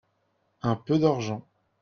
un peu d'argent.